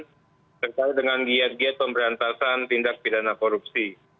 terkait dengan giat giat pemberantasan tindak pidana korupsi